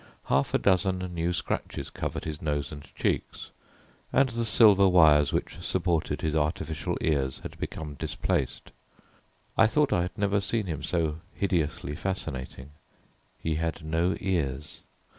Half a dozen new scratches covered his nose and cheeks, and the silver wires which supported his artificial ears had become displaced. I thought I had never seen him so hideously fascinating. He had no ears.